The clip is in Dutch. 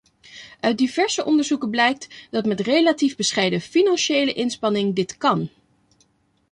Uit diverse onderzoeken blijkt dat met relatief bescheiden financiële inspanning dit kan.